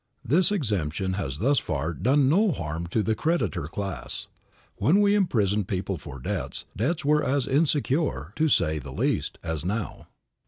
This exemption has thus far done no harm to the creditor class. When we imprisoned people for debt, debts were as insecure, to say the least, as now.